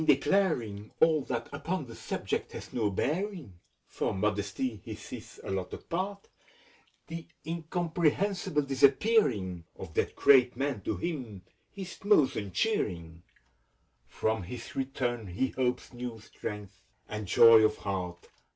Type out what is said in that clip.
declaring All that upon the subject has no bearing; For modesty is his allotted part The incomprehensible disappearing Of that great man to him is most uncheering; From his return he hopes new strength and joy of heart.